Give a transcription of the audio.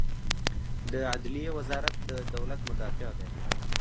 د عدلیې وزارت د دولت مدافع دی